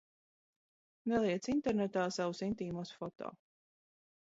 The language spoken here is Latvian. Neliec internetā savus intīmos foto!